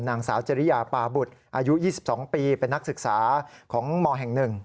นางสาวจริยาปาบุตรอายุ๒๒ปีเป็นนักศึกษาของมแห่ง๑